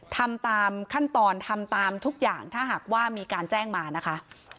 ทำตามขั้นตอนทำตามทุกอย่างถ้าหากว่ามีการแจ้งมานะคะ